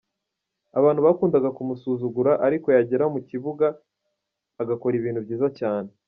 Abantu bakundaga kumusuzugura ariko yagera mu kibuga agakora ibintu byiza cyane.